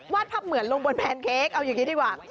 ภาพเหมือนลงบนแพนเค้กเอาอย่างนี้ดีกว่า